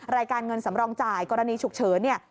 รายการเงินสำรองจ่ายกรณีฉุกเฉินเนี่ย